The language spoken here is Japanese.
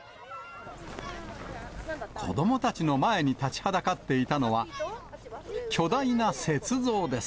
子どもたちの前に立ちはだかっていたのは、巨大な雪像です。